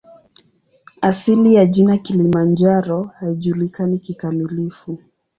Asili ya jina "Kilimanjaro" haijulikani kikamilifu.